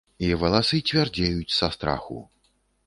І валасы цвярдзеюць са страху.